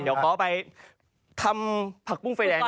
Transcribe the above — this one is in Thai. เดี๋ยวขอไปทำผักปุ้งไฟแดง